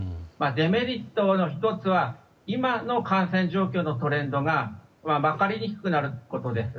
デメリットの１つは今の感染状況のトレンドが分かりにくくなることです。